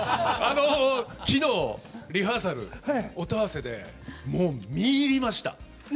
昨日、リハーサル、音合わせでもう見入りました。